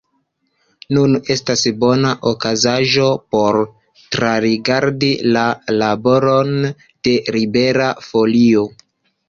Nun estas bona okazaĵo por trarigardi la laboron de Libera Folio.